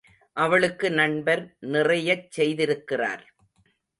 அவளுக்கு நண்பர் நிறையச் செய்திருக்கிறார்.